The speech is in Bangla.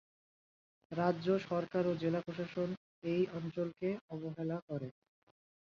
রাজ্য সরকার ও জেলা প্রশাসন এই অঞ্চলকে অবহেলা করে।